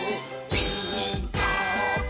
「ピーカーブ！」